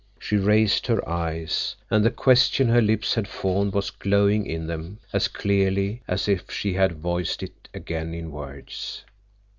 She raised her eyes, and the question her lips had formed was glowing in them as clearly as if she had voiced it again in words.